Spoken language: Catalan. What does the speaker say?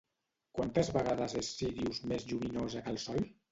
Quantes vegades és Sírius més lluminosa que el sol?